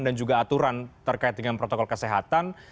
dan juga aturan terkait dengan protokol kesehatan